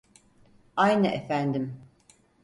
Aynı efendim